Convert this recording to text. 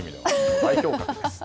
代表格です。